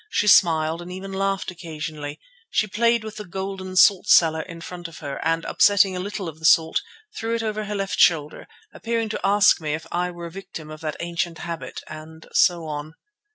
She smiled and even laughed occasionally. She played with the golden salt cellar in front of her and, upsetting a little of the salt, threw it over her left shoulder, appearing to ask me if I were a victim of that ancient habit, and so on.